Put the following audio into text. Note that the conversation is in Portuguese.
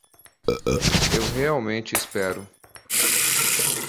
Eu realmente espero